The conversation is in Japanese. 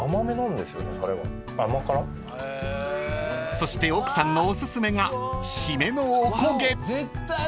［そして奥さんのおすすめがシメのおこげ］